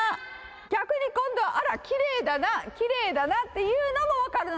逆に今度は、あら、きれいだな、きれいだなっていうのも分かるの。